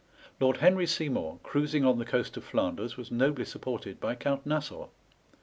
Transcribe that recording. Lord Henry Seymour, cruising on the coast of Flanders, was nobly supported by Count Nassau.